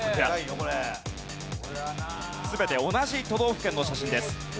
全て同じ都道府県の写真です。